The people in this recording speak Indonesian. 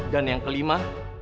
dan yang kelima